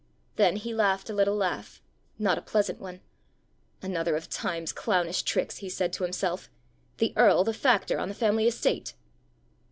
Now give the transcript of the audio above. Then he laughed a little laugh not a pleasant one. "Another of Time's clownish tricks!" he said to himself: "the earl the factor on the family estate!"